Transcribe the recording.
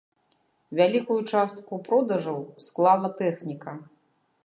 Вялікую частку продажаў склала тэхніка.